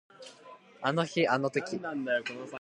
あの日あの時